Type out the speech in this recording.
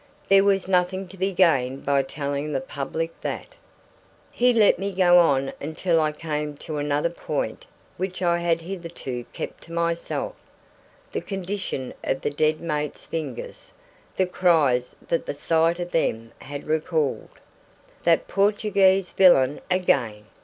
There was nothing to be gained by telling the public that." He let me go on until I came to another point which I had hitherto kept to myself: the condition of the dead mate's fingers: the cries that the sight of them had recalled. "That Portuguese villain again!"